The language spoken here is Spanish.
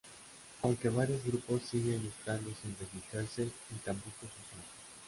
Aunque varios grupos siguen estando sin registrarse ni tampoco sus armas.